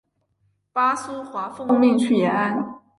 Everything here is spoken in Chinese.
巴苏华奉命去延安。